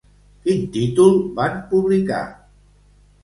Quin títol van publicar?